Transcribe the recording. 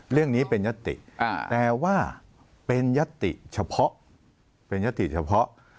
เรื่องนี้เป็นยติแต่ว่าเป็นยัตติเฉพาะเป็นยติเฉพาะ